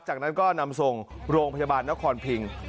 จากนั้นก็นำส่งโรงพยาบาลนครพิง